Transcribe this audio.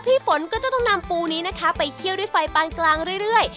พี่ฝนก็จะต้องนำปูนี้นะคะไปเคี่ยวด้วยไฟปานกลางเรื่อย